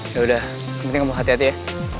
yaudah yang penting kamu hati hati ya